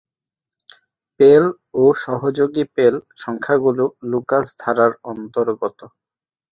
পেল ও সহযোগী পেল সংখ্যাগুলি লুকাস ধারার অন্তর্গত।